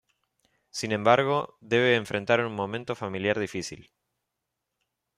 Sin embargo, debe enfrentar un momento familiar difícil.